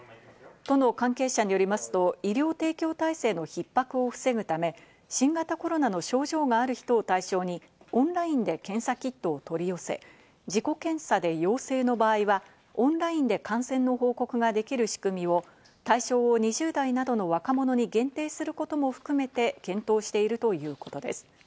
都の関係者によりますと、医療提供体制のひっ迫を防ぐため新型コロナの症状がある人を対象に、オンラインで検査キットを取り寄せ自己検査で陽性の場合はオンラインで感染の報告ができる仕組みを対象を２０代などの若者に限定することも含めて、検討しているということです。